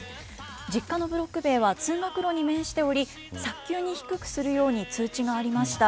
実家のブロック塀は通学路に面しており、早急に低くするように通知がありました。